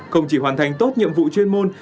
không chỉ hoàn thành tốt nhiệm vụ chuyên môn